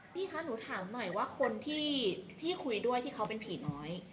พี่คะหนูถามหน่อยว่าคนที่คุยด้วยที่เขาเป็นผีน้อย